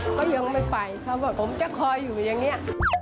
ก็ยังไม่ไปเขาบอกผมจะคอยอยู่อย่างนี้